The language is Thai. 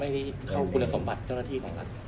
ไม่เข้าควรสมบัติเจ้าหน้าที่รัฐ